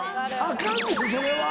アカンねんそれは。